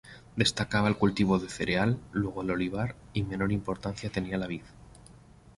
Destacaba el cultivo de cereal, luego el olivar, y menor importancia tenía la vid.